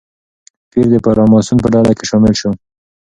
پییر د فراماسون په ډله کې شامل شو.